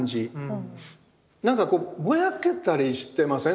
なんかこうぼやけたりしてません？